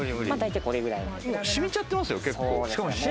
染みちゃってますよ、結構。